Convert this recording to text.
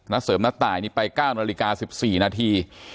นักเสริมนักตายไป๙นาฬิกา๑๔นาที